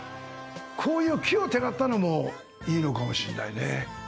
こういう奇をてらったのもいいのかもしれないね。